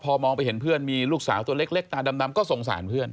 พอมองไปเห็นเพื่อนมีลูกสาวตัวเล็กตาดำก็สงสารเพื่อน